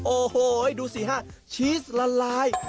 โอ้โหดูสิฮะชีสละลาย